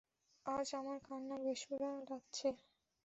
আজ আমার কান্না বেসুরো লাগছে।